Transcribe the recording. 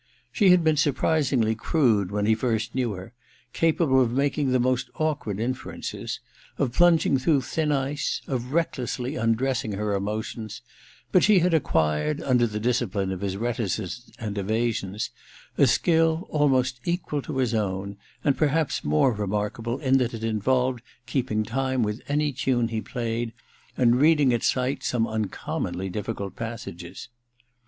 She had been surprisingly crude when he first knew her ; capable of making the most awkward inferences, of plunging through thin ice, of recklessly undressing her emotions ; but she had acquired, under the discipline of his reticences and evasions, a skill almost equal to his own, and perhaps more remarkable in that it involved keeping time with any tune he played and reading at sight some uncommonly difficult passages.